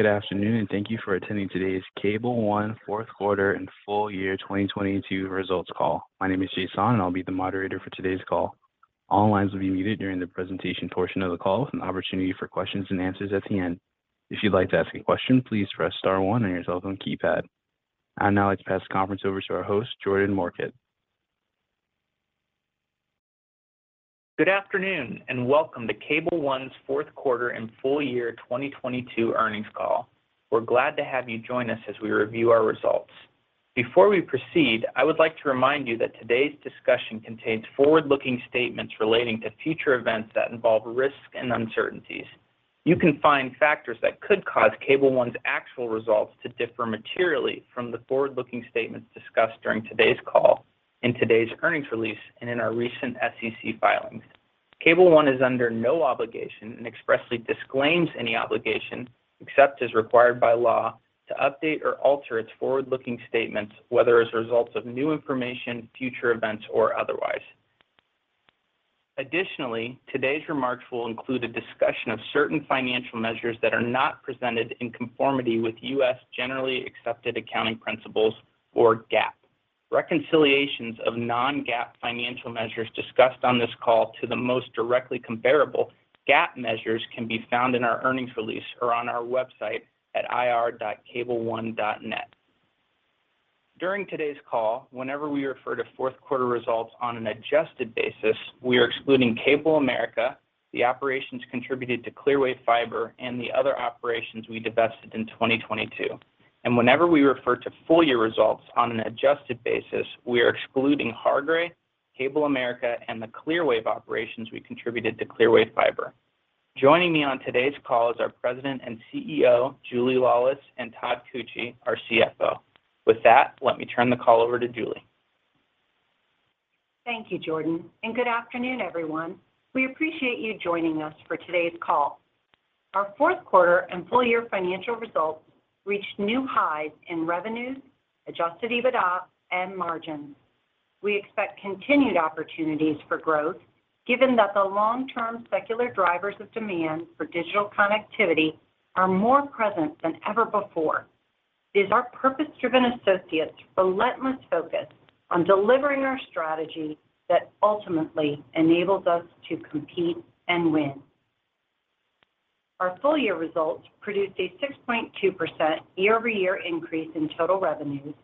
Good afternoon, and thank you for attending today's Cable One fourth quarter and full year 2022 results call. My name is Jason, and I'll be the moderator for today's call. All lines will be muted during the presentation portion of the call with an opportunity for questions and answers at the end. If you'd like to ask a question, please press star 1 on your telephone keypad. I'd now like to pass the conference over to our host, Jordan Morkert. Good afternoon and welcome to Cable One's fourth quarter and full year 2022 earnings call. We're glad to have you join us as we review our results. Before we proceed, I would like to remind you that today's discussion contains forward-looking statements relating to future events that involve risks and uncertainties. You can find factors that could cause Cable One's actual results to differ materially from the forward-looking statements discussed during today's call in today's earnings release and in our recent SEC filings. Cable One is under no obligation and expressly disclaims any obligation, except as required by law, to update or alter its forward-looking statements, whether as a result of new information, future events, or otherwise. Additionally, today's remarks will include a discussion of certain financial measures that are not presented in conformity with US generally accepted accounting principles or GAAP. Reconciliations of non-GAAP financial measures discussed on this call to the most directly comparable GAAP measures can be found in our earnings release or on our website at ir.cableone.net. During today's call, whenever we refer to fourth quarter results on an adjusted basis, we are excluding CableAmerica, the operations contributed to Clearwave Fiber, and the other operations we divested in 2022. Whenever we refer to full-year results on an adjusted basis, we are excluding Hargray, CableAmerica, and the Clearwave operations we contributed to Clearwave Fiber. Joining me on today's call is our President and CEO, Julie Laulis, and Todd Koetje, our CFO. With that, let me turn the call over to Julie. Thank you, Jordan Morkert, and good afternoon, everyone. We appreciate you joining us for today's call. Our fourth quarter and full-year financial results reached new highs in revenues, Adjusted EBITDA, and margins. We expect continued opportunities for growth, given that the long-term secular drivers of demand for digital connectivity are more present than ever before. It is our purpose-driven associates' relentless focus on delivering our strategy that ultimately enables us to compete and win. Our full-year results produced a 6.2% year-over-year increase in total revenues,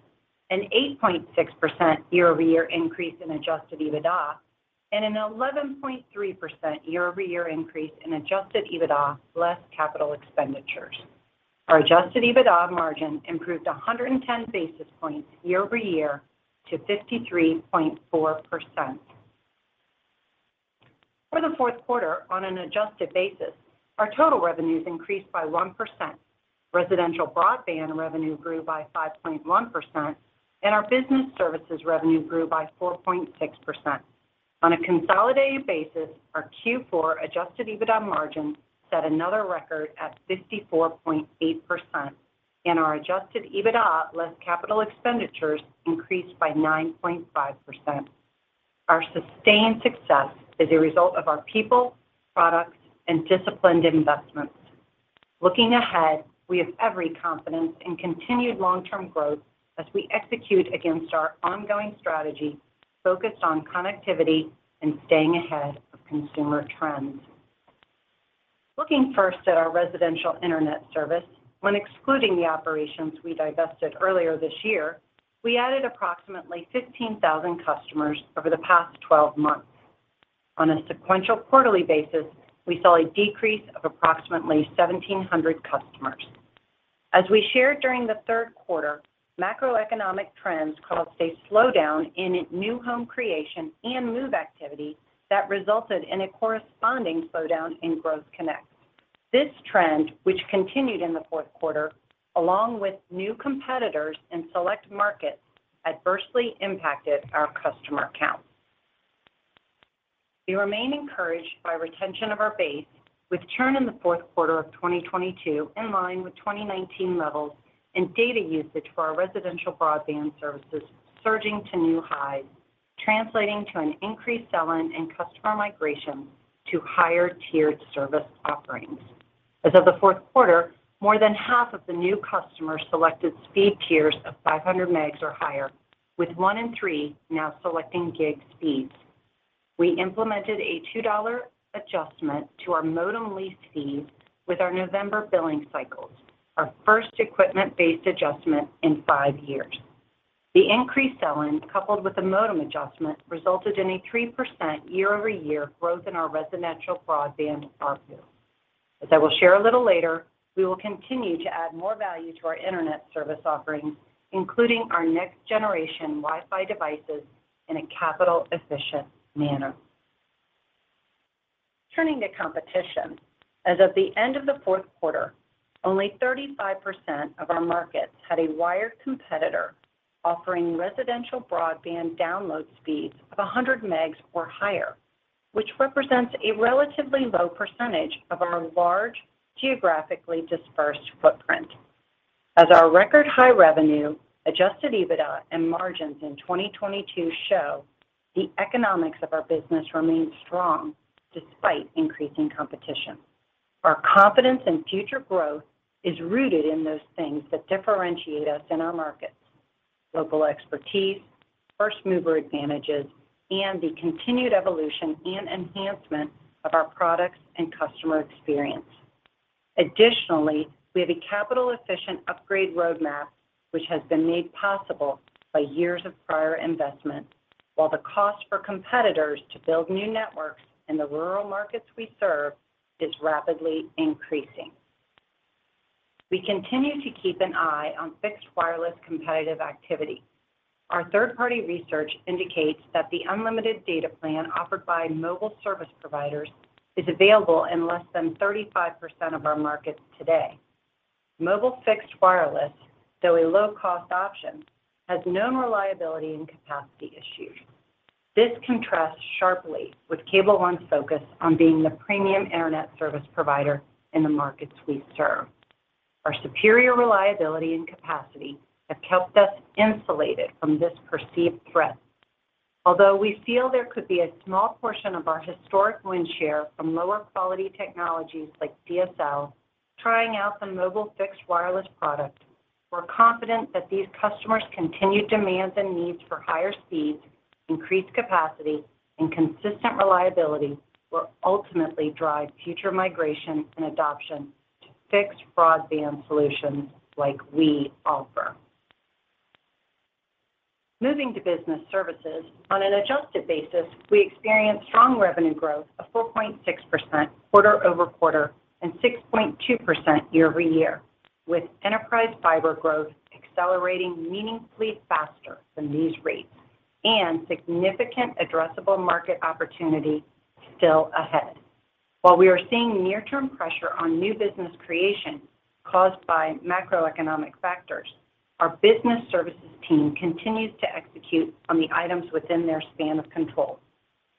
an 8.6% year-over-year increase in Adjusted EBITDA, and an 11.3% year-over-year increase in Adjusted EBITDA less capital expenditures. Our Adjusted EBITDA margin improved 110 basis points year-over-year to 53.4%. For the fourth quarter, on an adjusted basis, our total revenues increased by 1%. Residential broadband revenue grew by 5.1%, and our business services revenue grew by 4.6%. On a consolidated basis, our Q4 Adjusted EBITDA margin set another record at 54.8%, and our Adjusted EBITDA less capital expenditures increased by 9.5%. Our sustained success is a result of our people, products, and disciplined investments. Looking ahead, we have every confidence in continued long-term growth as we execute against our ongoing strategy focused on connectivity and staying ahead of consumer trends. Looking first at our residential internet service. When excluding the operations we divested earlier this year, we added approximately 15,000 customers over the past 12 months. On a sequential quarterly basis, we saw a decrease of approximately 1,700 customers. As we shared during the third quarter, macroeconomic trends caused a slowdown in new home creation and move activity that resulted in a corresponding slowdown in growth connects. This trend, which continued in the fourth quarter, along with new competitors in select markets, adversely impacted our customer count. We remain encouraged by retention of our base, with churn in the fourth quarter of 2022 in line with 2019 levels and data usage for our residential broadband services surging to new highs, translating to an increased sell-in and customer migration to higher tiered service offerings. As of the fourth quarter, more than half of the new customers selected speed tiers of 500 megs or higher, with one in three now selecting gig speeds. We implemented a $2 adjustment to our modem lease fees with our November billing cycles, our first equipment-based adjustment in 5 years. The increased sell-in, coupled with the modem adjustment, resulted in a 3% year-over-year growth in our residential broadband ARPU. As I will share a little later, we will continue to add more value to our internet service offerings, including our next generation Wi-Fi devices in a capital efficient manner. Turning to competition. As of the end of the fourth quarter, only 35% of our markets had a wired competitor offering residential broadband download speeds of 100 megs or higher, which represents a relatively low percentage of our large, geographically dispersed footprint. As our record high revenue, Adjusted EBITDA and margins in 2022 show the economics of our business remains strong despite increasing competition. Our confidence in future growth is rooted in those things that differentiate us in our markets local expertise, first mover advantages, and the continued evolution and enhancement of our products and customer experience. Additionally, we have a capital efficient upgrade roadmap, which has been made possible by years of prior investment. While the cost for competitors to build new networks in the rural markets we serve is rapidly increasing. We continue to keep an eye on fixed wireless competitive activity. Our third party research indicates that the unlimited data plan offered by mobile service providers is available in less than 35% of our markets today. Mobile fixed wireless, though a low cost option, has known reliability and capacity issues. This contrasts sharply with Cable One's focus on being the premium internet service provider in the markets we serve. Our superior reliability and capacity have kept us insulated from this perceived threat. Although we feel there could be a small portion of our historic win share from lower quality technologies like DSL trying out the mobile fixed wireless product, we're confident that these customers continued demands and needs for higher speeds, increased capacity and consistent reliability will ultimately drive future migration and adoption to fixed broadband solutions like we offer. Moving to business services. On an adjusted basis, we experienced strong revenue growth of 4.6% quarter-over-quarter and 6.2% year-over-year, with enterprise fiber growth accelerating meaningfully faster than these rates and significant addressable market opportunity still ahead. While we are seeing near term pressure on new business creation caused by macroeconomic factors, our business services team continues to execute on the items within their span of control.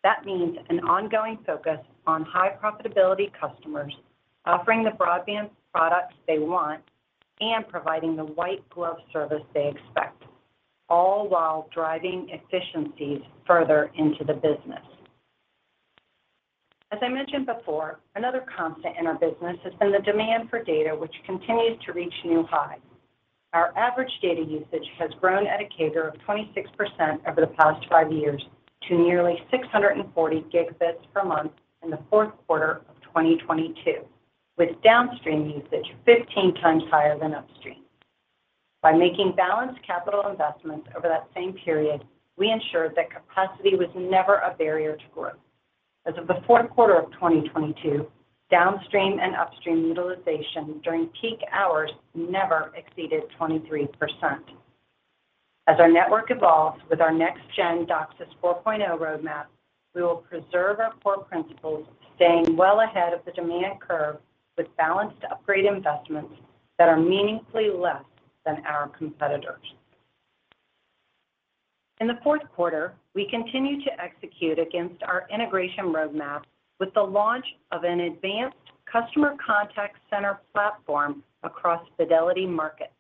That means an ongoing focus on high profitability customers, offering the broadband products they want and providing the white glove service they expect, all while driving efficiencies further into the business. As I mentioned before, another constant in our business has been the demand for data, which continues to reach new highs. Our average data usage has grown at a CAGR of 26% over the past 5 years to nearly 640 gigabits per month in the fourth quarter of 2022, with downstream usage 15 times higher than upstream. By making balanced capital investments over that same period, we ensured that capacity was never a barrier to growth. As of the fourth quarter of 2022, downstream and upstream utilization during peak hours never exceeded 23%. As our network evolves with our next-gen DOCSIS 4.0 roadmap, we will preserve our core principles, staying well ahead of the demand curve with balanced upgrade investments that are meaningfully less than our competitors. In the fourth quarter, we continued to execute against our integration roadmap with the launch of an advanced customer contact center platform across Fidelity markets.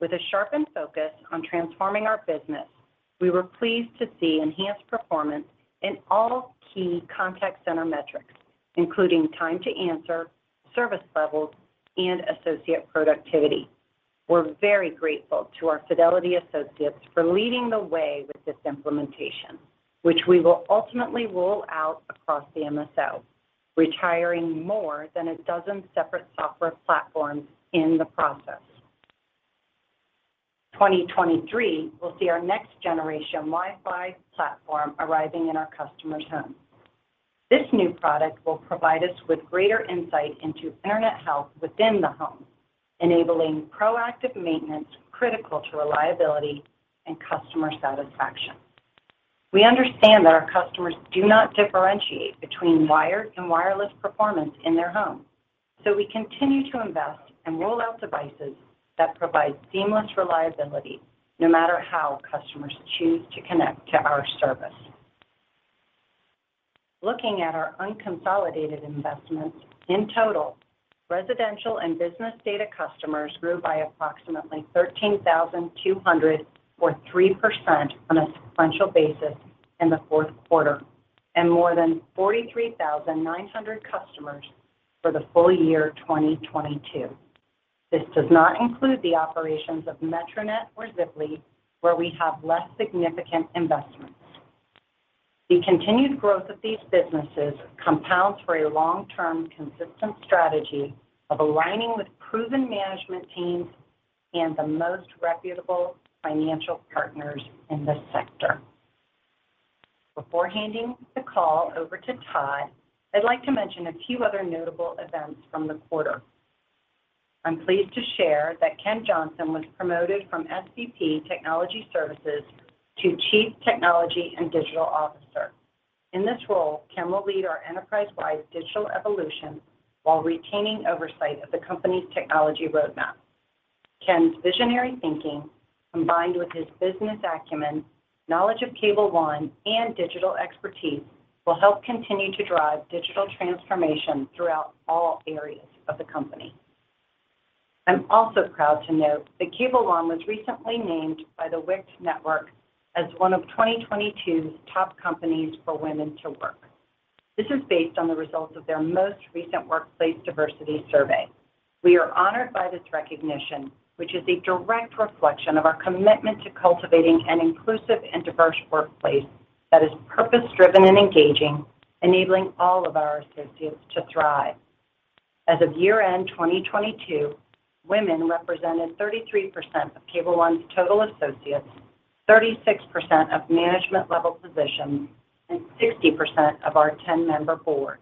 With a sharpened focus on transforming our business, we were pleased to see enhanced performance in all key contact center metrics, including time to answer, service levels and associate productivity. We're very grateful to our Fidelity associates for leading the way with this implementation, which we will ultimately roll out across the MSO, retiring more than 12 separate software platforms in the process. 2023 will see our next-generation Wi-Fi platform arriving in our customers' homes. This new product will provide us with greater insight into internet health within the home, enabling proactive maintenance critical to reliability and customer satisfaction. We understand that our customers do not differentiate between wired and wireless performance in their homes. We continue to invest and roll out devices that provide seamless reliability no matter how customers choose to connect to our service. Looking at our unconsolidated investments, in total, residential and business data customers grew by approximately 13,200 or 3% on a sequential basis in the fourth quarter and more than 43,900 customers for the full year 2022. This does not include the operations of Metronet or Ziply, where we have less significant investments. The continued growth of these businesses compounds for a long-term, consistent strategy of aligning with proven management teams and the most reputable financial partners in this sector. Before handing the call over to Todd Koetje, I'd like to mention a few other notable events from the quarter. I'm pleased to share that Ken Johnson was promoted from SVP Technology Services to Chief Technology and Digital Officer. In this role, Ken Johnson will lead our enterprise-wide digital evolution while retaining oversight of the company's technology roadmap. Ken Johnson's visionary thinking combined with his business acumen, knowledge of Cable One, and digital expertise will help continue to drive digital transformation throughout all areas of the company. I'm also proud to note that Cable One was recently named by The WICT Network as one of 2022's top companies for women to work. This is based on the results of their most recent workplace diversity survey. We are honored by this recognition, which is a direct reflection of our commitment to cultivating an inclusive and diverse workplace that is purpose-driven and engaging, enabling all of our associates to thrive. As of year-end 2022, women represented 33% of Cable One's total associates, 36% of management-level positions, and 60% of our 10-member board.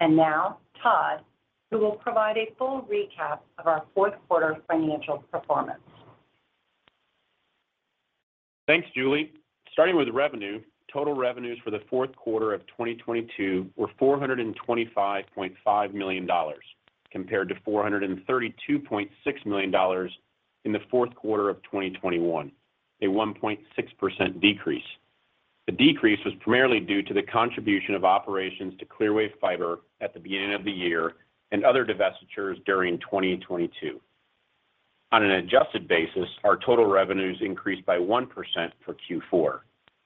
Now Todd Koetje, who will provide a full recap of our fourth quarter financial performance. Thanks, Julie Laulis. Starting with revenue, total revenues for the fourth quarter of 2022 were $425.5 million, compared to $432.6 million in the fourth quarter of 2021, a 1.6% decrease. The decrease was primarily due to the contribution of operations to Clearwave Fiber at the beginning of the year and other divestitures during 2022. On an adjusted basis, our total revenues increased by 1% for Q4.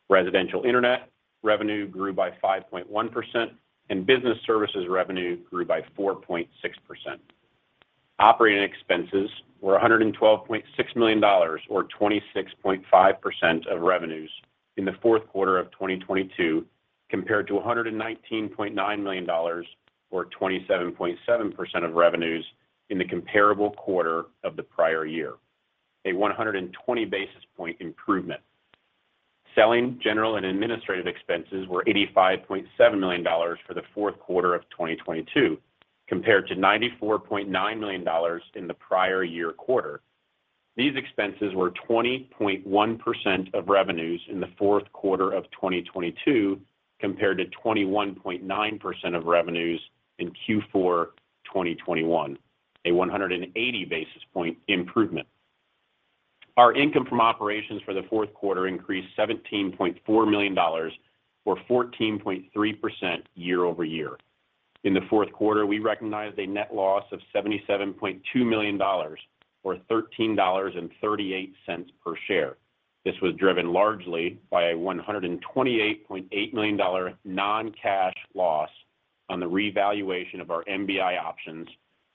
Residential internet revenue grew by 5.1% and business services revenue grew by 4.6%. Operating expenses were $112.6 million or 26.5% of revenues in the fourth quarter of 2022, compared to $119.9 million or 27.7% of revenues in the comparable quarter of the prior year, a 120 basis point improvement. Selling, General and Administrative expenses were $85.7 million for the fourth quarter of 2022, compared to $94.9 million in the prior year quarter. These expenses were 20.1% of revenues in the fourth quarter of 2022, compared to 21.9% of revenues in Q4 2021, a 180 basis point improvement. Our income from operations for the fourth quarter increased $17.4 million or 14.3% year-over-year. In the fourth quarter, we recognized a net loss of $77.2 million or $13.38 per share. This was driven largely by a $128.8 million non-cash loss on the revaluation of our MBI options,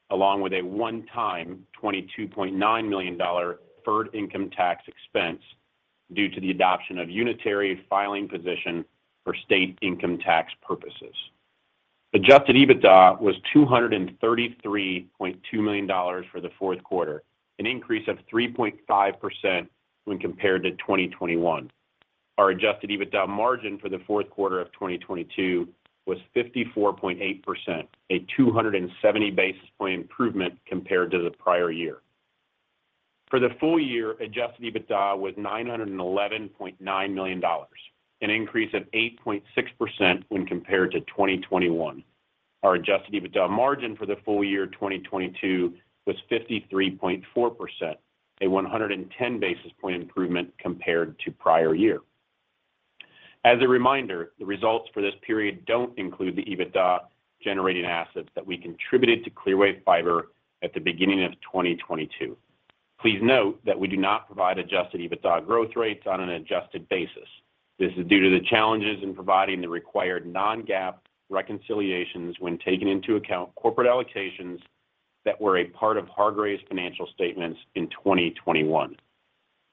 along with a one-time $22.9 million deferred income tax expense due to the adoption of unitary filing position for state income tax purposes. Adjusted EBITDA was $233.2 million for the fourth quarter, an increase of 3.5% when compared to 2021. Our Adjusted EBITDA margin for the fourth quarter of 2022 was 54.8%, a 270 basis point improvement compared to the prior year. For the full year, Adjusted EBITDA was $911.9 million, an increase of 8.6% when compared to 2021. Our Adjusted EBITDA margin for the full year 2022 was 53.4%, a 110 basis point improvement compared to prior year. As a reminder, the results for this period don't include the EBITDA generating assets that we contributed to Clearwave Fiber at the beginning of 2022. Please note that we do not provide Adjusted EBITDA growth rates on an adjusted basis. This is due to the challenges in providing the required non-GAAP reconciliations when taking into account corporate allocations that were a part of Hargray's financial statements in 2021.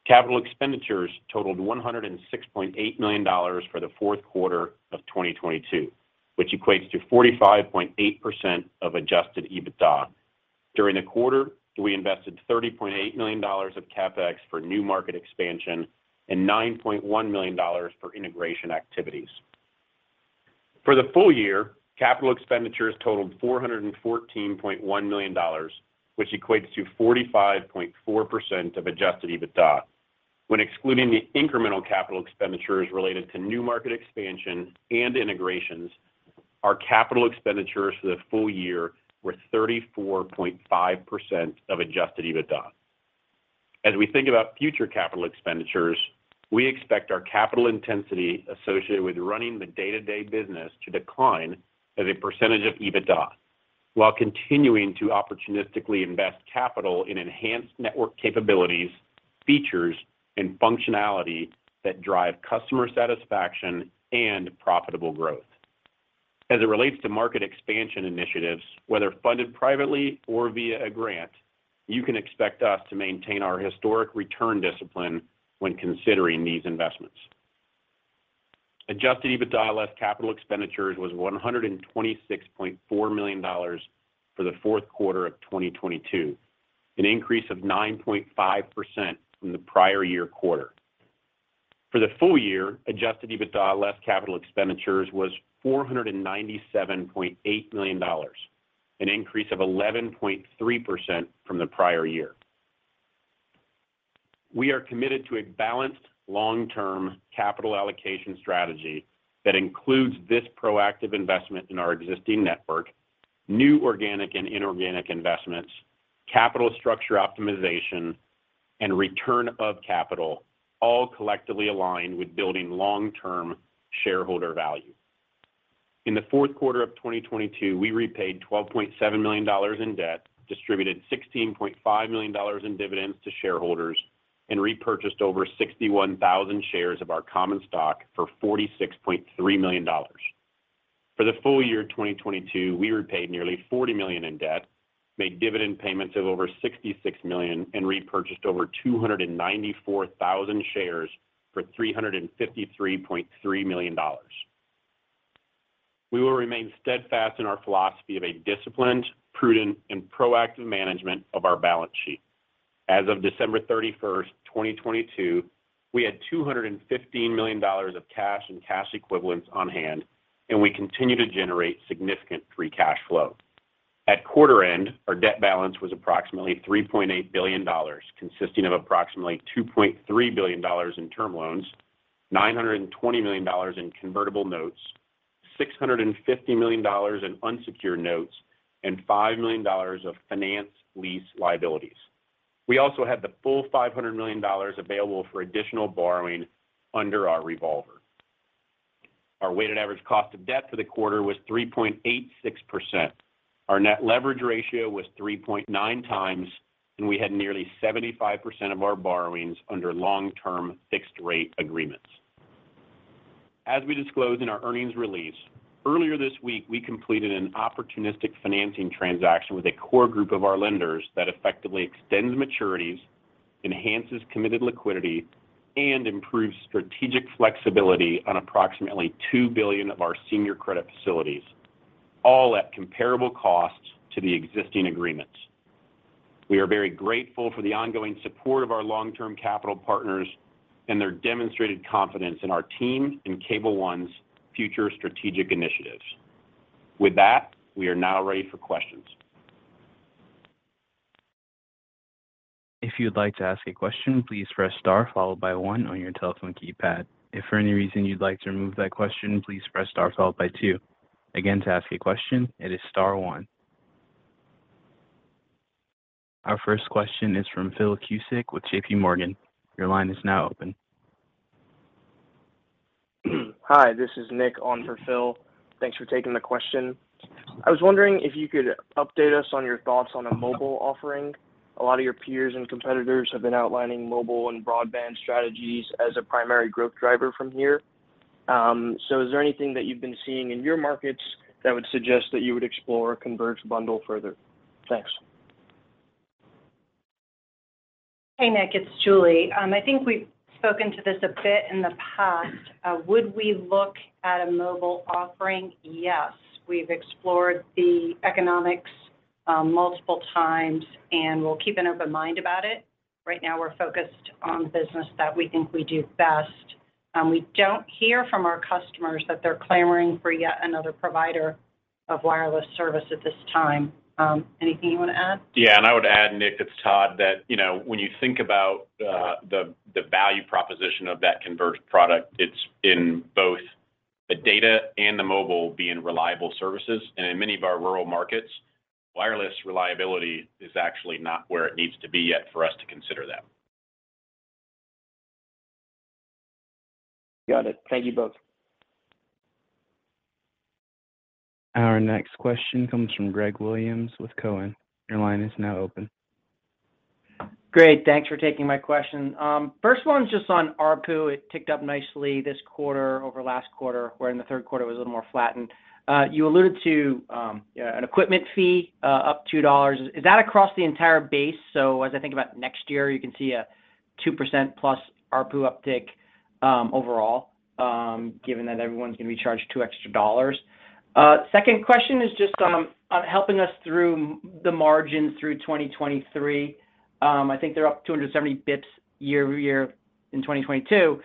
Capital expenditures totaled $106.8 million for the fourth quarter of 2022, which equates to 45.8% of Adjusted EBITDA. During the quarter, we invested $30.8 million of CapEx for new market expansion and $9.1 million for integration activities. For the full year, capital expenditures totaled $414.1 million, which equates to 45.4% of Adjusted EBITDA. When excluding the incremental capital expenditures related to new market expansion and integrations, our capital expenditures for the full year were 34.5% of Adjusted EBITDA. As we think about future capital expenditures, we expect our capital intensity associated with running the day-to-day business to decline as a % of Adjusted EBITDA, while continuing to opportunistically invest capital in enhanced network capabilities, features, and functionality that drive customer satisfaction and profitable growth. As it relates to market expansion initiatives, whether funded privately or via a grant, you can expect us to maintain our historic return discipline when considering these investments. Adjusted EBITDA less capital expenditures was $126.4 million for the fourth quarter of 2022, an increase of 9.5% from the prior year quarter. For the full year, Adjusted EBITDA less capital expenditures was $497.8 million, an increase of 11.3% from the prior year. We are committed to a balanced long-term capital allocation strategy that includes this proactive investment in our existing network. New organic and inorganic investments, capital structure optimization, and return of capital all collectively align with building long-term shareholder value. In the fourth quarter of 2022, we repaid $12.7 million in debt, distributed $16.5 million in dividends to shareholders, and repurchased over 61,000 shares of our common stock for $46.3 million. For the full year 2022, we repaid nearly $40 million in debt, made dividend payments of over $66 million, and repurchased over 294,000 shares for $353.3 million. We will remain steadfast in our philosophy of a disciplined, prudent, and proactive management of our balance sheet. As of December thirty-first, 2022, we had $215 million of cash and cash equivalents on hand, and we continue to generate significant free cash flow. At quarter end, our debt balance was approximately $3.8 billion, consisting of approximately $2.3 billion in term loans, $920 million in convertible notes, $650 million in unsecured notes, and $5 million of finance lease liabilities. We also had the full $500 million available for additional borrowing under our revolver. Our weighted average cost of debt for the quarter was 3.86%. Our net leverage ratio was 3.9x, and we had nearly 75% of our borrowings under long-term fixed rate agreements. As we disclosed in our earnings release, earlier this week we completed an opportunistic financing transaction with a core group of our lenders that effectively extends maturities, enhances committed liquidity, and improves strategic flexibility on approximately $2 billion of our senior credit facilities, all at comparable costs to the existing agreements. We are very grateful for the ongoing support of our long-term capital partners and their demonstrated confidence in our team and Cable One's future strategic initiatives. With that, we are now ready for questions. If you'd like to ask a question, please press star followed by one on your telephone keypad. If for any reason you'd like to remove that question, please press star followed by two. Again, to ask a question, it is star one. Our first question is from Phil Cusick with J.P. Morgan. Your line is now open. Hi, this is Nick on for Phil. Thanks for taking the question. I was wondering if you could update us on your thoughts on a mobile offering. A lot of your peers and competitors have been outlining mobile and broadband strategies as a primary growth driver from here. Is there anything that you've been seeing in your markets that would suggest that you would explore a converged bundle further? Thanks. Hey, Nick. It's Julie Laulis. I think we've spoken to this a bit in the past. Would we look at a mobile offering? Yes. We've explored the economics, multiple times, and we'll keep an open mind about it. Right now, we're focused on the business that we think we do best. We don't hear from our customers that they're clamoring for yet another provider of wireless service at this time. Anything you want to add? Yeah, I would add, Nick, it's Todd, that, when you think about the value proposition of that converged product, it's in both the data and the mobile being reliable services. In many of our rural markets, wireless reliability is actually not where it needs to be yet for us to consider that. Got it. Thank you both. Our next question comes from Greg Williams with Cowen. Your line is now open. Great. Thanks for taking my question. First one's just on ARPU. It ticked up nicely this quarter over last quarter, where in the third quarter it was a little more flattened. You alluded to an equipment fee up $2. Is that across the entire base? As I think about next year, you can see a 2% plus ARPU uptick overall given that everyone's going to be charged $2 extra. Second question is just on helping us through the margins through 2023. I think they're up 270 bps year-over-year in 2022.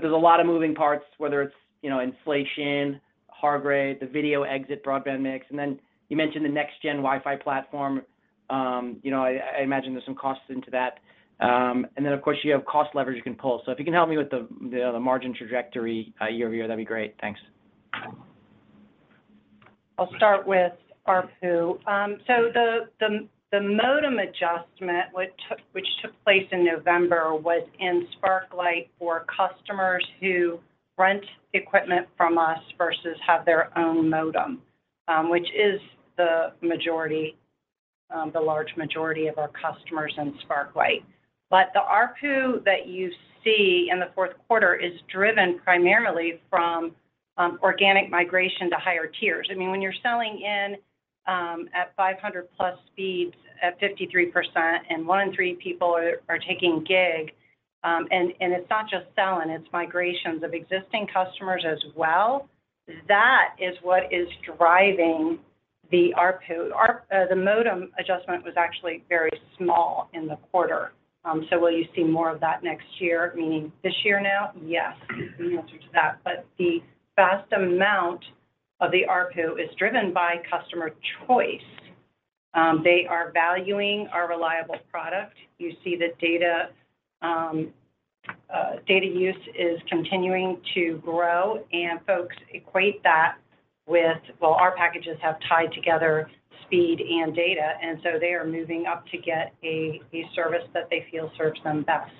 There's a lot of moving parts, whether it's, inflation, Hargray, the video exit broadband mix, and then you mentioned the next gen Wi-Fi platform. I imagine there's some costs into that. Of course, you have cost leverage you can pull. If you can help me with the, the margin trajectory, year-over-year, that'd be great. Thanks. I'll start with ARPU. The modem adjustment which took place in November was in Sparklight for customers who rent equipment from us versus have their own modem, which is the majority, the large majority of our customers in Sparklight. The ARPU that you see in the fourth quarter is driven primarily from organic migration to higher tiers. I mean, when you're selling in at 500+ speeds at 53% and 1 in 3 people are taking gig, and it's not just selling, it's migrations of existing customers as well, that is what is driving the ARPU. The modem adjustment was actually very small in the quarter. Will you see more of that next year, meaning this year now? Yes is the answer to that. The vast amount of the ARPU is driven by customer choice. They are valuing our reliable product. You see the data, Data use is continuing to grow, and folks equate that with Well, our packages have tied together speed and data, they are moving up to get a service that they feel serves them best.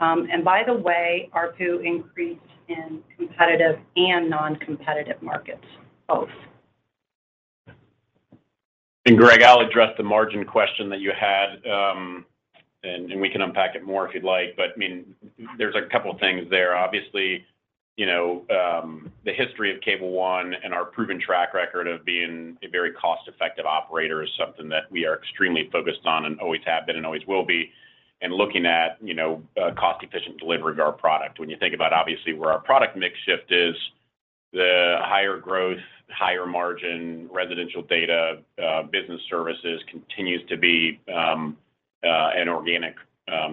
By the way, ARPU increased in competitive and non-competitive markets both. Greg Williams, I'll address the margin question that you had, and we can unpack it more if you'd like. I mean, there's a couple of things there. Obviously, the history of Cable One and our proven track record of being a very cost-effective operator is something that we are extremely focused on and always have been and always will be. Looking at, cost-efficient delivery of our product. When you think about obviously where our product mix shift is, the higher growth, higher margin residential data, business services continues to be an organic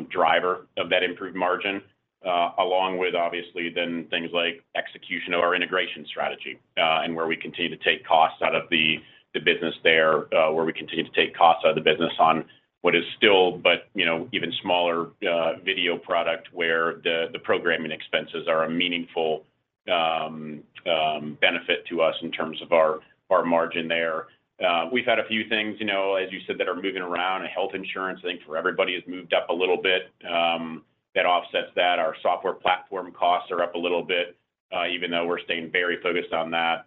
driver of that improved margin. Along with obviously then things like execution of our integration strategy, and where we continue to take costs out of the business there, where we continue to take costs out of the business on what is still, but,, even smaller video product where the programming expenses are a meaningful benefit to us in terms of our margin there. We've had a few things, as you said, that are moving around. Health insurance, I think for everybody, has moved up a little bit, that offsets that. Our software platform costs are up a little bit, even though we're staying very focused on that.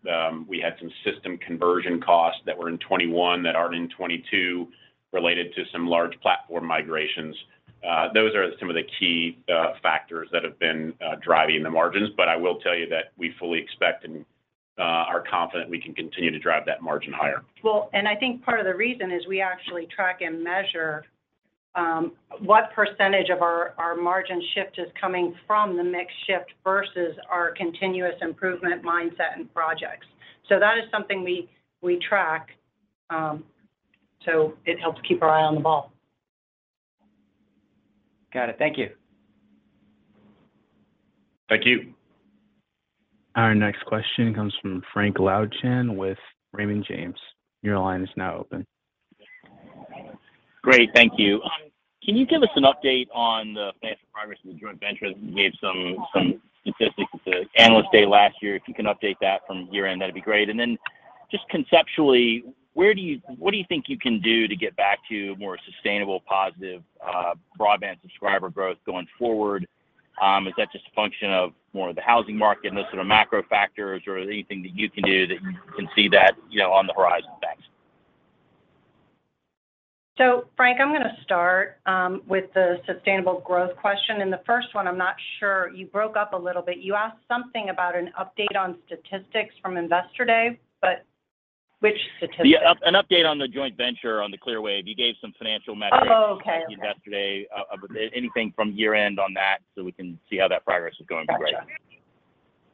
We had some system conversion costs that were in 2021 that aren't in 2022 related to some large platform migrations. Those are some of the key factors that have been driving the margins. I will tell you that we fully expect and are confident we can continue to drive that margin higher. I think part of the reason is we actually track and measure what percentage of our margin shift is coming from the mix shift versus our continuous improvement mindset and projects. That is something we track, it helps keep our eye on the ball. Got it. Thank you. Thank you. Our next question comes from Frank Louthan with Raymond James. Your line is now open. Great. Thank you. Can you give us an update on the financial progress of the joint venture? You gave some statistics at the Analyst Day last year. If you can update that from year-end, that'd be great. Just conceptually, what do you think you can do to get back to more sustainable positive broadband subscriber growth going forward? Is that just a function of more of the housing market and those sort of macro factors, or is there anything that you can do that you can see that on the horizon? Thanks. Frank Louthan, I'm going to start with the sustainable growth question. The first one, I'm not sure, you broke up a little bit. You asked something about an update on statistics from Investor Day, but which statistics? Yeah. An update on the joint venture on the Clearwave. You gave some financial metrics. Oh, okay.... at Investor Day. Anything from year-end on that, so we can see how that progress is going would be great.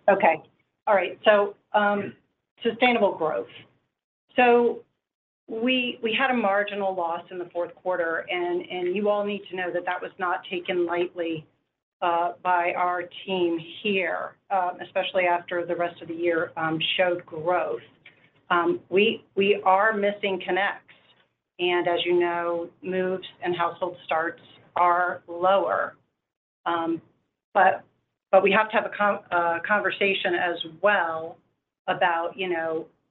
Gotcha. Okay. All right. Sustainable growth. We had a marginal loss in the fourth quarter, and you all need to know that that was not taken lightly by our team here, especially after the rest of the year showed growth. We are missing connects, and as, moves and household starts are lower. But we have to have a conversation as well about,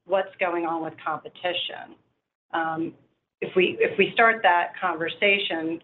what's going on with competition. If we start that conversation,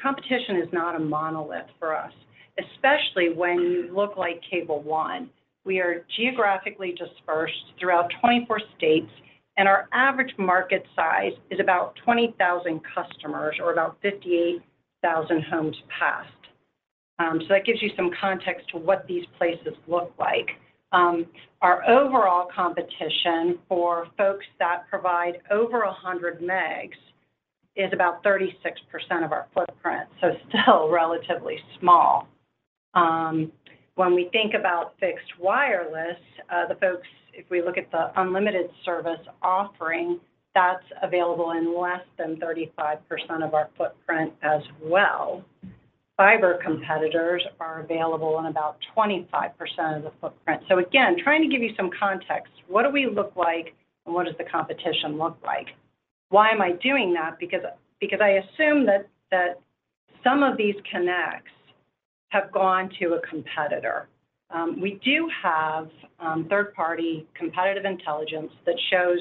competition is not a monolith for us, especially when you look like Cable One. We are geographically dispersed throughout 24 states, and our average market size is about 20,000 customers or about 58,000 homes passed. That gives you some context to what these places look like. Our overall competition for folks that provide over 100 megs is about 36% of our footprint, so still relatively small. When we think about fixed wireless, the folks, if we look at the unlimited service offering, that's available in less than 35% of our footprint as well. Fiber competitors are available in about 25% of the footprint. Again, trying to give you some context, what do we look like, and what does the competition look like? Why am I doing that? I assume that some of these connects have gone to a competitor. We do have third-party competitive intelligence that shows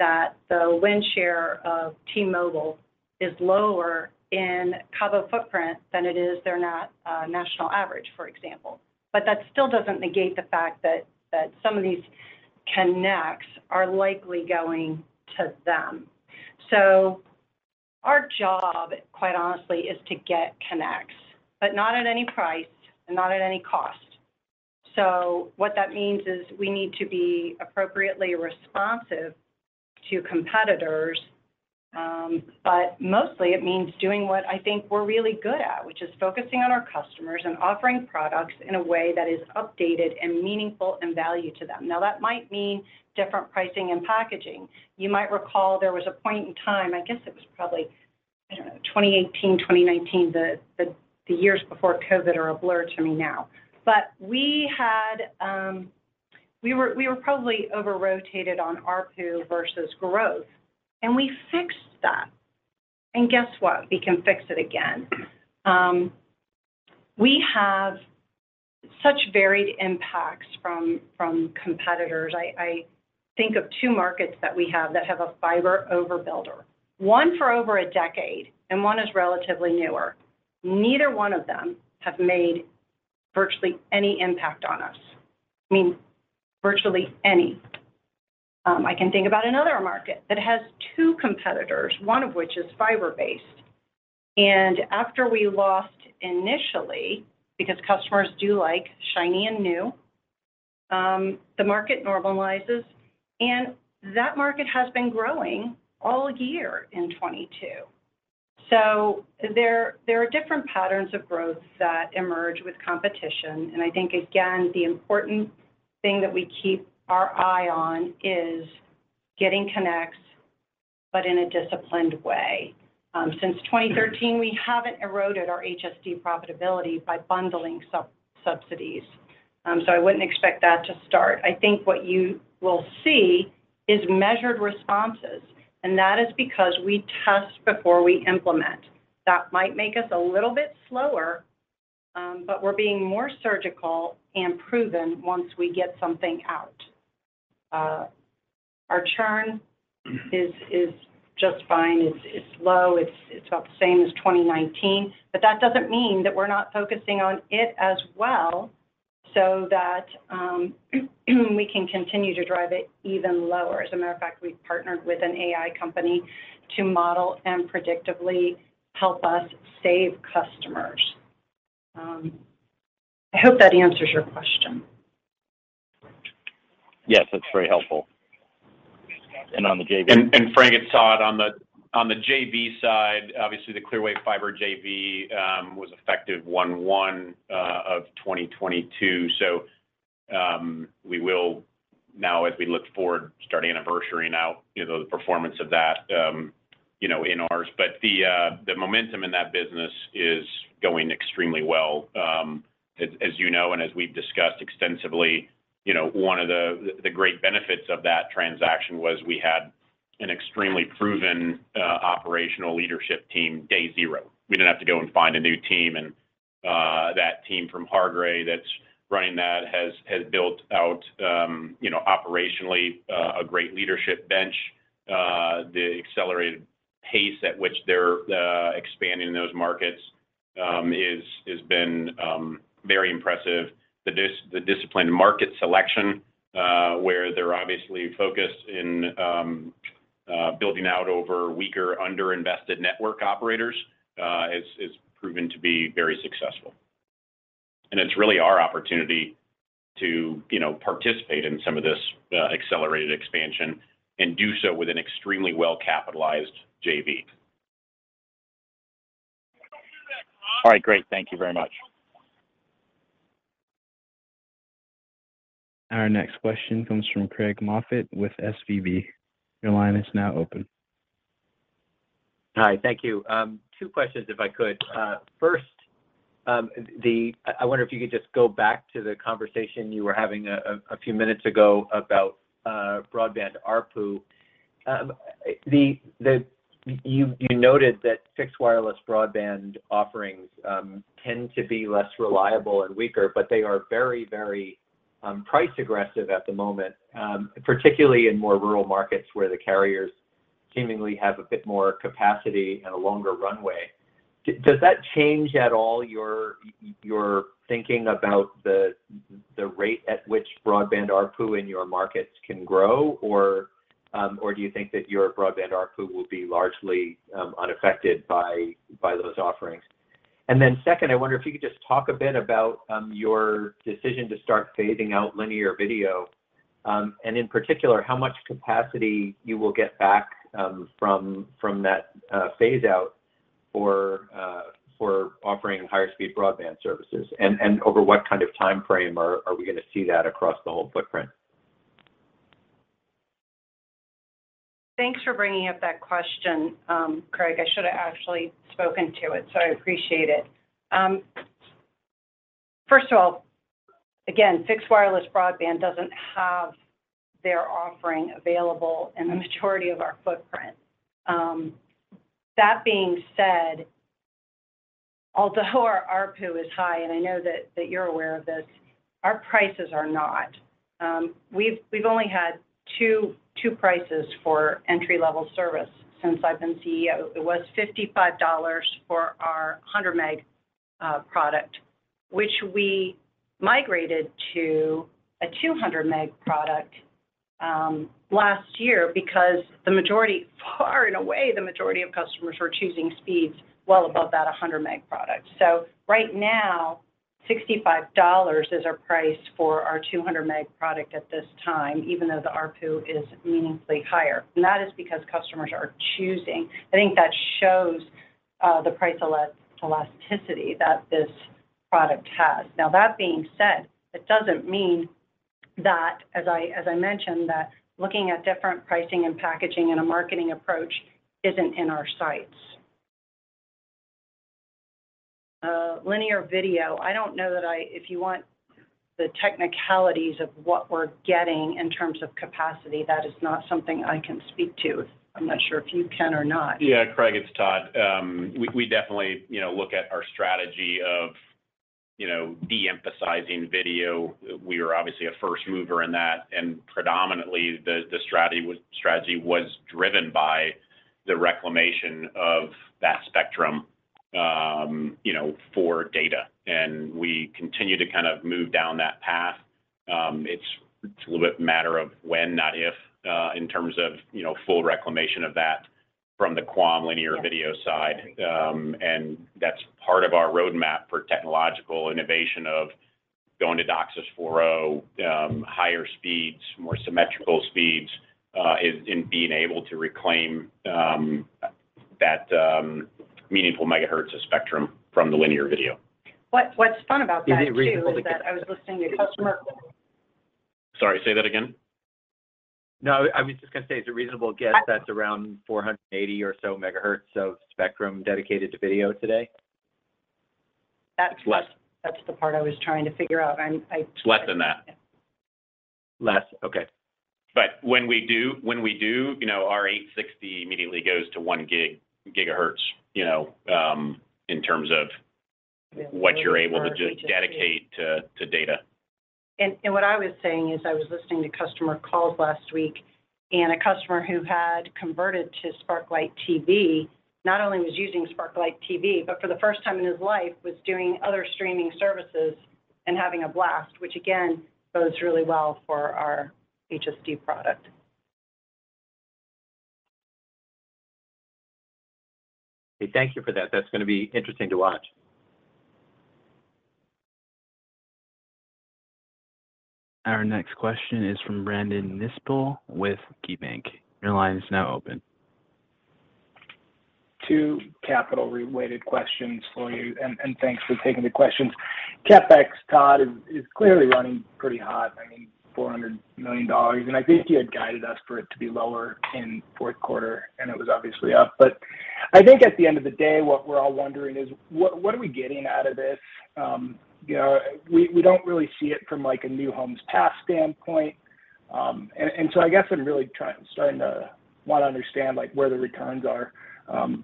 that the win share of T-Mobile is lower in CABO footprint than it is their national average, for example. That still doesn't negate the fact that some of these connects are likely going to them. Our job, quite honestly, is to get connects, but not at any price and not at any cost. What that means is we need to be appropriately responsive to competitors. Mostly it means doing what I think we're really good at, which is focusing on our customers and offering products in a way that is updated and meaningful and value to them. That might mean different pricing and packaging. You might recall there was a point in time, I guess it was probably, I don't know, 2018, 2019, the years before COVID are a blur to me now. We had, we were probably over-rotated on ARPU versus growth, we fixed that. Guess what? We can fix it again. We have such varied impacts from competitors. I think of 2 markets that we have that have a fiber overbuilder, 1 for over a decade, and 1 is relatively newer. Neither 1 of them have made virtually any impact on us. I mean, virtually any. I can think about another market that has 2 competitors, 1 of which is fiber-based. After we lost initially, because customers do like shiny and new, the market normalizes, and that market has been growing all year in 2022. There, there are different patterns of growth that emerge with competition. I think, again, the important thing that we keep our eye on is getting connects, but in a disciplined way. Since 2013, we haven't eroded our HSD profitability by bundling sub-subsidies. I wouldn't expect that to start. I think what you will see is measured responses, and that is because we test before we implement. That might make us a little bit slower, but we're being more surgical and proven once we get something out. Our churn is just fine. It's low. It's about the same as 2019. That doesn't mean that we're not focusing on it as well so that we can continue to drive it even lower. As a matter of fact, we've partnered with an AI company to model and predictably help us save customers. I hope that answers your question. Yes. That's very helpful. On the JV- Frank Louthan, it's Todd Koetje. On the JV side, obviously the Clearwave Fiber JV was effective 1/1 of 2022. We will now as we look forward, start anniversary, the performance of that, in ours. The momentum in that business is going extremely well. As and as we've discussed extensively, one of the great benefits of that transaction was we had an extremely proven operational leadership team day zero. We didn't have to go and find a new team. That team from Hargray that's running that has built out, operationally, a great leadership bench. The accelerated pace at which they're expanding those markets is been very impressive. The disciplined market selection, where they're obviously focused in, building out over weaker underinvested network operators, has proven to be very successful. It's really our opportunity to,, participate in some of this accelerated expansion and do so with an extremely well-capitalized JV. All right. Great. Thank you very much. Our next question comes from Craig Moffett with SVB. Your line is now open. Hi. Thank you. Two questions if I could. First, I wonder if you could just go back to the conversation you were having a few minutes ago about broadband ARPU. You noted that fixed wireless broadband offerings tend to be less reliable and weaker, but they are very, very price aggressive at the moment, particularly in more rural markets where the carriers seemingly have a bit more capacity and a longer runway. Does that change at all your thinking about the rate at which broadband ARPU in your markets can grow, or do you think that your broadband ARPU will be largely unaffected by those offerings? Second, I wonder if you could just talk a bit about your decision to start phasing out linear video, and in particular, how much capacity you will get back from that phase out for offering higher speed broadband services? Over what kind of time frame are we going to see that across the whole footprint? Thanks for bringing up that question, Craig Moffett. I should have actually spoken to it, so I appreciate it. First of all, again, fixed wireless broadband doesn't have their offering available in the majority of our footprint. That being said, although our ARPU is high, and I know that you're aware of this, our prices are not. We've only had two prices for entry-level service since I've been CEO. It was $55 for our 100 meg product, which we migrated to a 200 meg product last year because the majority, far and away the majority of customers were choosing speeds well above that a 100 meg product. Right now, $65 is our price for our 200 meg product at this time, even though the ARPU is meaningfully higher. That is because customers are choosing. I think that shows the price elasticity that this product has. Now that being said, it doesn't mean that, as I mentioned, that looking at different pricing and packaging and a marketing approach isn't in our sights. Linear video. I don't know that if you want the technicalities of what we're getting in terms of capacity, that is not something I can speak to. I'm not sure if you can or not. Yeah, Craig Moffett, it's Todd Koetje. We definitely, look at our strategy of, de-emphasizing video. We are obviously a first mover in that. Predominantly the strategy was driven by the reclamation of that spectrum, for data. We continue to kind of move down that path. It's a little bit matter of when, not if, in terms of, full reclamation of that from the QAM linear video side. That's part of our roadmap for technological innovation of going to DOCSIS 4.0, higher speeds, more symmetrical speeds, is in being able to reclaim that meaningful megahertz of spectrum from the linear video. What's fun about that too. Is it reasonable to get? Is that I was listening to customer-. Sorry, say that again. No, I was just going to say it's a reasonable guess that's around 480 or so MHz of spectrum dedicated to video today. That's- It's less. That's the part I was trying to figure out. It's less than that. Less. Okay. When we do our 860 immediately goes to 1 gigahertz, in terms of what you're able to just dedicate to data. What I was saying is I was listening to customer calls last week. A customer who had converted to Sparklight TV not only was using Sparklight TV, but for the first time in his life was doing other streaming services and having a blast, which again, bodes really well for our HSD product. Thank you for that. That's going to be interesting to watch. Our next question is from Brandon Nispel with KeyBanc. Your line is now open. Two capital related questions for you. Thanks for taking the questions. CapEx, Todd Koetje, is clearly running pretty hot, I mean, $400 million. I think you had guided us for it to be lower in fourth quarter, and it was obviously up. I think at the end of the day, what we're all wondering is what we're getting out of this? We don't really see it from like a new homes passed standpoint. I guess I'm starting to want to understand like where the returns are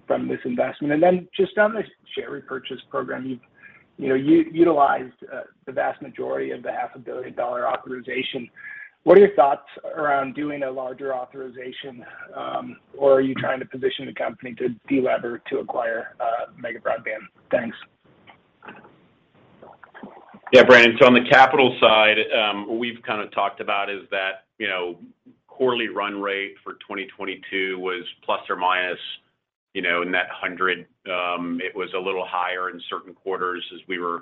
from this investment. Just on the share repurchase program, you've, utilized the vast majority of the half a billion dollar authorization. What are your thoughts around doing a larger authorization, or are you trying to position the company to delever to acquire Mega Broadband? Thanks. Brandon Nispel, on the capital side, we've kind of talked about is that, quarterly run rate for 2022 was plus or minus, in that $100. It was a little higher in certain quarters as we were,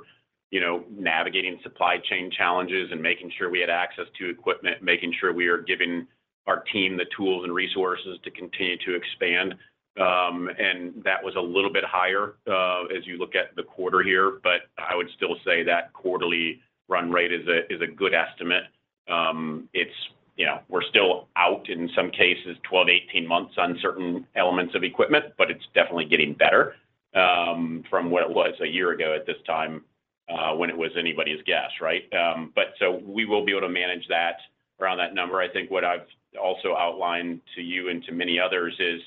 navigating supply chain challenges and making sure we had access to equipment, making sure we are giving our team the tools and resources to continue to expand. That was a little bit higher, as you look at the quarter here. I would still say that quarterly run rate is a good estimate. It's we're still out in some cases 12 to 18 months on certain elements of equipment, but it's definitely getting better, from what it was a year ago at this time, when it was anybody's guess. We will be able to manage that around that number. I think what I've also outlined to you and to many others is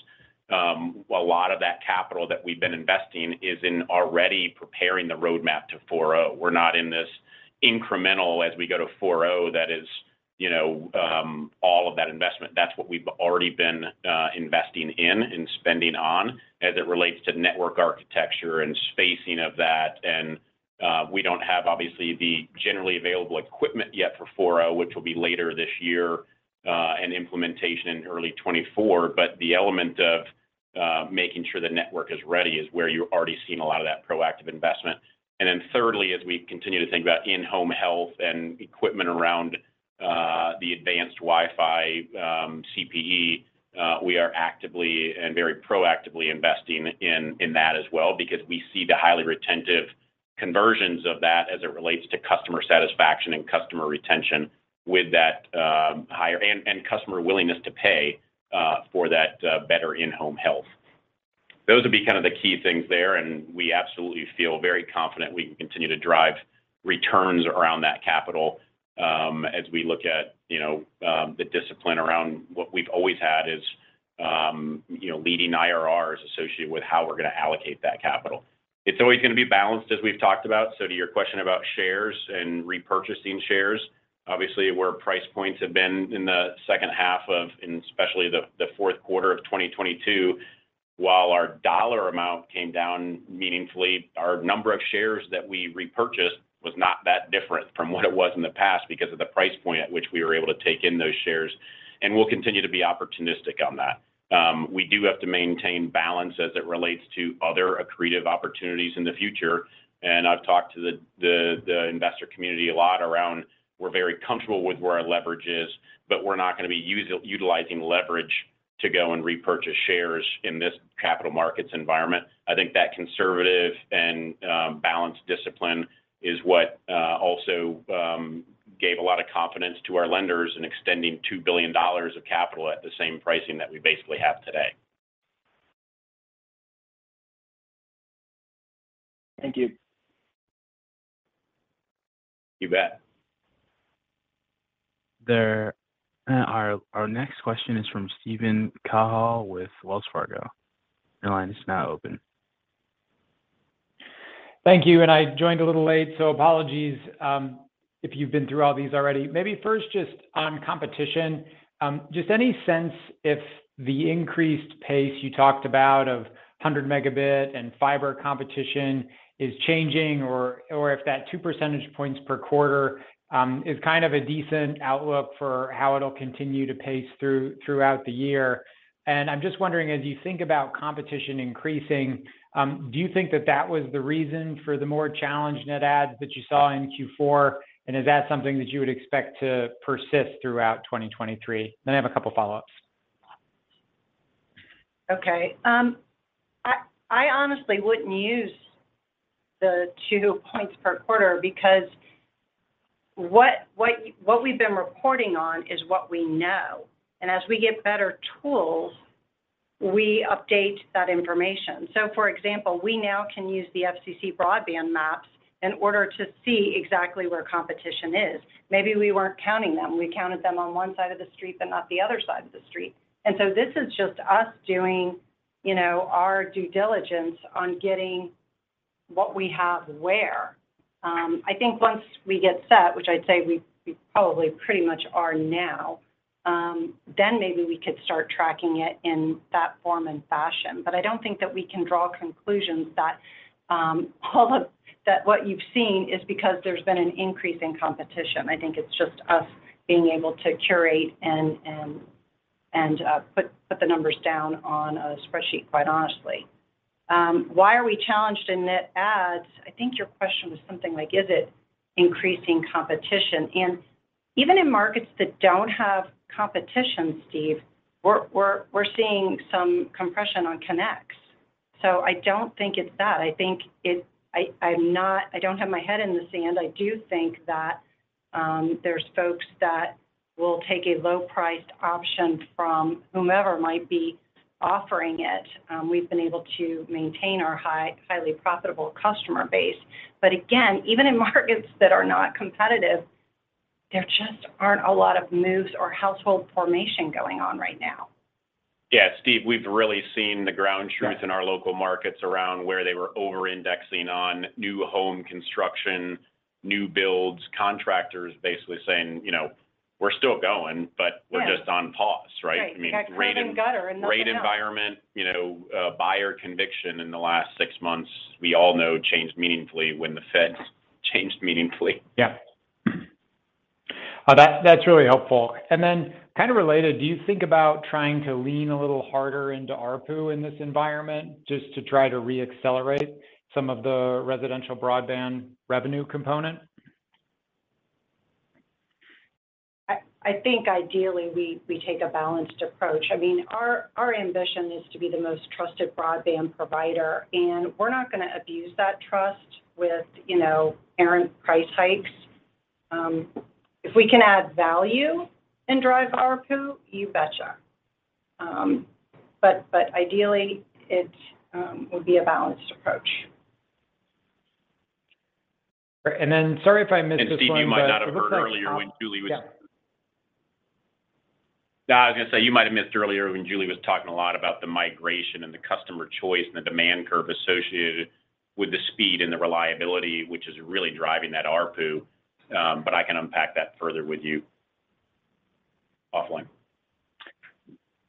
a lot of that capital that we've been investing is in already preparing the roadmap to 4.0. We're not in this incremental as we go to 4.0, that is,, all of that investment. That's what we've already been investing in and spending on as it relates to network architecture and spacing of that. We don't have obviously the generally available equipment yet for 4.0, which will be later this year, and implementation in early 2024. The element of making sure the network is ready is where you're already seeing a lot of that proactive investment. Thirdly, as we continue to think about in-home health and equipment around the advanced Wi-Fi, CPE, we are actively and very proactively investing in that as well because we see the highly retentive conversions of that as it relates to customer satisfaction and customer retention with that customer willingness to pay for that better in-home health. Those would be kind of the key things there. We absolutely feel very confident we can continue to drive returns around that capital as we look at, the discipline around what we've always had is,, leading IRRs associated with how we're going to allocate that capital. It's always going to be balanced, as we've talked about. To your question about shares and repurchasing shares, obviously where price points have been in the second half of, and especially the fourth quarter of 2022, while our dollar amount came down meaningfully, our number of shares that we repurchased was not that different from what it was in the past because of the price point at which we were able to take in those shares. We'll continue to be opportunistic on that. We do have to maintain balance as it relates to other accretive opportunities in the future. I've talked to the investor community a lot around we're very comfortable with where our leverage is, but we're not going to be utilizing leverage to go and repurchase shares in this capital markets environment. I think that conservative and balanced discipline is what also gave a lot of confidence to our lenders in extending $2 billion of capital at the same pricing that we basically have today. Thank you. You bet. There, our next question is from Steven Cahall with Wells Fargo. Your line is now open. Thank you. I joined a little late, so apologies, if you've been through all these already. Maybe first just on competition, just any sense if the increased pace you talked about of 100 megabit and fiber competition is changing or if that 2 percentage points per quarter, is a decent outlook for how it'll continue to pace throughout the year? I'm just wondering, as you think about competition increasing, do you think that that was the reason for the more challenged net adds that you saw in Q4, and is that something that you would expect to persist throughout 2023? I have a couple follow-ups. Okay. I honestly wouldn't use the 2 points per quarter because what we've been reporting on is what we know. As we get better tools, we update that information. For example, we now can use the FCC broadband maps in order to see exactly where competition is. Maybe we weren't counting them. We counted them on one side of the street but not the other side of the street. This is just us doing, our due diligence on getting what we have where. I think once we get set, which I'd say we probably pretty much are now, then maybe we could start tracking it in that form and fashion. I don't think that we can draw conclusions that all of that what you've seen is because there's been an increase in competition. I think it's just us being able to curate and put the numbers down on a spreadsheet quite honestly. Why are we challenged in net adds? I think your question was something like, is it increasing competition? And even in markets that don't have competition, Steve, we're seeing some compression on connects. So I don't think it's that. I don't have my head in the sand. I do think that there's folks that will take a low priced option from whomever might be offering it. We've been able to maintain our high, highly profitable customer base. But again, even in markets that are not competitive, there just aren't a lot of moves or household formation going on right now. Yeah. Steven Cahall, we've really seen the ground truth in our local markets around where they were over-indexing on new home construction, new builds, contractors basically saying,, "We're still going, but we're just on pause." Right? Right. We've got curb and gutter and nothing else. I mean, great environment, buyer conviction in the last six months we all know changed meaningfully when the Feds changed meaningfully. Yeah. that's really helpful. Then kind of related, do you think about trying to lean a little harder into ARPU in this environment just to try to re-accelerate some of the residential broadband revenue component? I think ideally we take a balanced approach. I mean, our ambition is to be the most trusted broadband provider, and we're not going to abuse that trust with, errant price hikes. If we can add value and drive ARPU, you betcha. Ideally it would be a balanced approach. Sorry if I missed this one, but it looked like. Steven Cahall, you might not have heard earlier when Julie was- Yeah. I was going to say you might have missed earlier when Julie was talking a lot about the migration and the customer choice and the demand curve associated with the speed and the reliability, which is really driving that ARPU. I can unpack that further with you offline.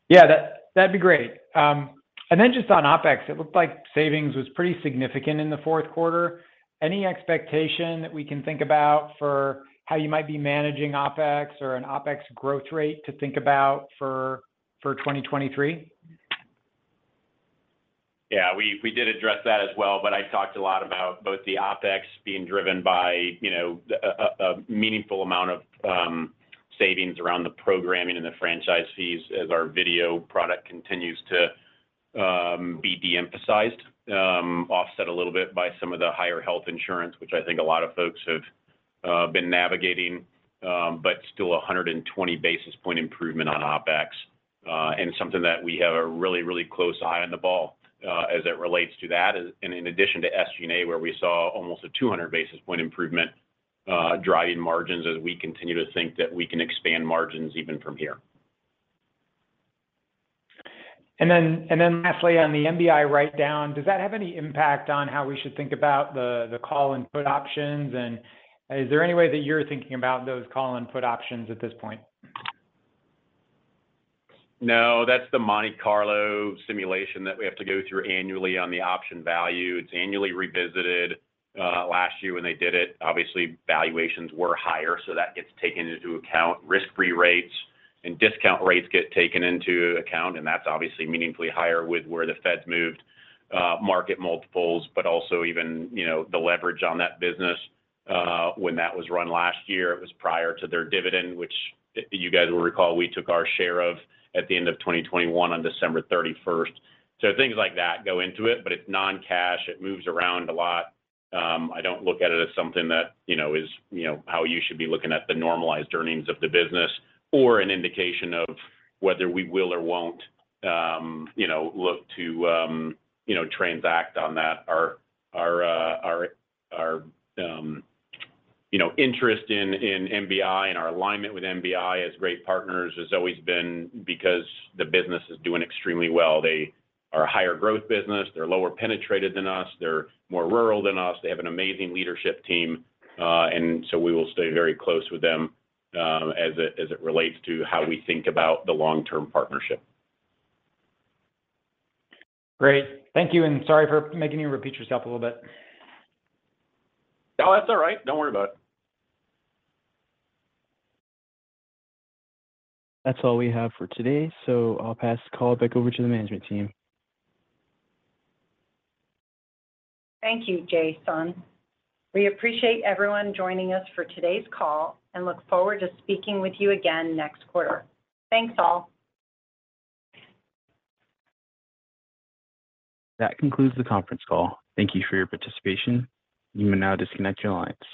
Yeah, that'd be great. Then just on OpEx, it looked like savings was pretty significant in the fourth quarter. Any expectation that we can think about for how you might be managing OpEx or an OpEx growth rate to think about for 2023? We did address that as well, but I talked a lot about both the OpEx being driven by, a meaningful amount of savings around the programming and the franchise fees as our video product continues to be de-emphasized. Offset a little bit by some of the higher health insurance, which I think a lot of folks have been navigating. Still 120 basis point improvement on OpEx, and something that we have a really close eye on the ball as it relates to that is and in addition to SG&A, where we saw almost a 200 basis point improvement drive in margins as we continue to think that we can expand margins even from here. Lastly on the MBI write down, does that have any impact on how we should think about the call and put options? Is there any way that you're thinking about those call and put options at this point? No, that's the Monte Carlo simulation that we have to go through annually on the option value. It's annually revisited. Last year when they did it, obviously valuations were higher, so that gets taken into account. Risk-free rates and discount rates get taken into account, and that's obviously meaningfully higher with where the Fed moved, market multiples, but also even, the leverage on that business. When that was run last year, it was prior to their dividend, which you guys will recall we took our share of at the end of 2021 on December 31st. Things like that go into it, but it's non-cash. It moves around a lot. I don't look at it as something that is how you should be looking at the normalized earnings of the business or an indication of whether we will or won't look to transact on that. Our interest in MBI and our alignment with MBI as great partners has always been because the business is doing extremely well. They are a higher growth business. They're lower penetrated than us. They're more rural than us. They have an amazing leadership team. We will stay very close with them, as it relates to how we think about the long-term partnership. Great. Thank you, and sorry for making you repeat yourself a little bit. No, that's all right. Don't worry about it. That's all we have for today, so I'll pass the call back over to the management team. Thank you, Jason. We appreciate everyone joining us for today's call and look forward to speaking with you again next quarter. Thanks, all. That concludes the conference call. Thank you for your participation. You may now disconnect your lines.